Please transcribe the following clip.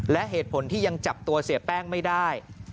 และเหตุผลที่ยังจับตัวเสียแป้งไม่ได้